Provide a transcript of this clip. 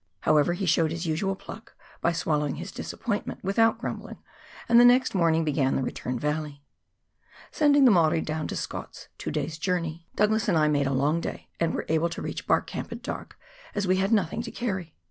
However, he showed his usual pluck by swallowing his disappointment without grumbling, and the next morning began the return journey. Sending the Maori down to Scott's — two days' journey — Douglas and I made a 206 PIONEER WORK IN THE ALPS OF NEW ZEALAND. long day, and were able to reach Bark Camp at dark, as we had nothing to carry.